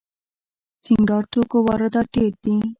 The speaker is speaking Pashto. د سینګار توکو واردات ډیر دي